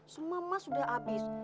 semua emas udah abis